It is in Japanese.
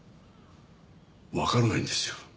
わからないんですよ。